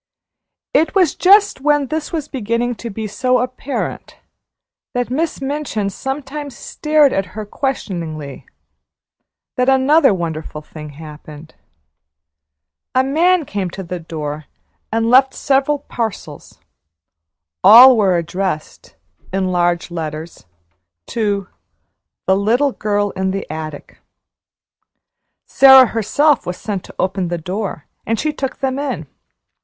It was just when this was beginning to be so apparent that Miss Minchin sometimes stared at her questioningly, that another wonderful thing happened. A man came to the door and left several parcels. All were addressed (in large letters) to "the little girl in the attic." Sara herself was sent to open the door, and she took them in.